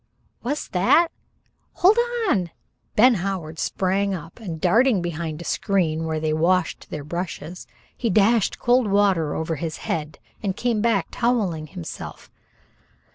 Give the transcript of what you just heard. "What's that? Hold on!" Ben Howard sprang up, and darting behind a screen where they washed their brushes, he dashed cold water over his head and came back toweling himself.